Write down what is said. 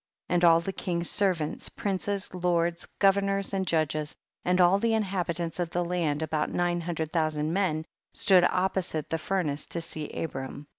7. And all the king's servants, princes, lords, governors and judges, and all the inhabhants of the land, about nine hundred thousand men, stood opposite the furnace to see Abram.